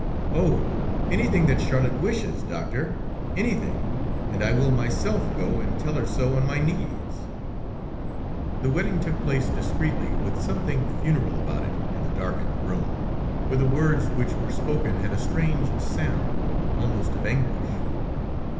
"Oh! anything that Charlotte wishes, doctor; anything, and I will myself go and tell her so, on my knees!" The wedding took place discreetly, with something funereal about it, in the darkened room, where the words which were spoken had a strange sound, almost of anguish.